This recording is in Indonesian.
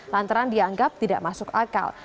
lantaran dianggap tidak masuk akal